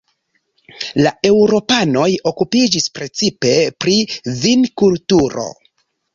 La eŭropanoj okupiĝis precipe pri vinkulturo.